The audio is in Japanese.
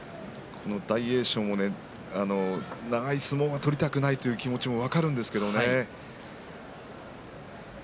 大栄翔も長い相撲を取りたくないという気持ちは分かるんですけれどもね。